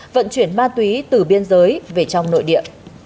vận chuyển ma túy từ biên giới về trong nội địa